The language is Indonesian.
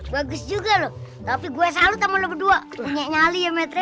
bagus juga loh tapi gue selalu temen lo berdua punya nyali ya maitre